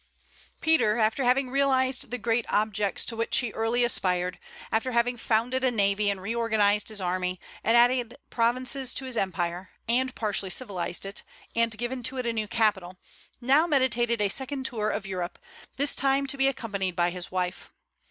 Peter, after having realized the great objects to which he early aspired, after having founded a navy and reorganized his army, and added provinces to his empire, and partially civilized it, and given to it a new capital, now meditated a second tour of Europe, this time to be accompanied by his wife.